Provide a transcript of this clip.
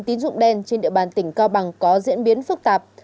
tín dụng đen trên địa bàn tỉnh cao bằng có diễn biến phức tạp